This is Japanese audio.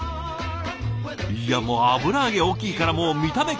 いやもう油揚げ大きいからもう見た目